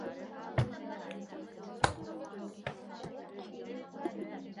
정거장까지 가잔 말을 들은 순간에 경련적으로 떠는 손